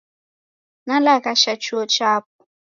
Nalaghasha chuo chapo.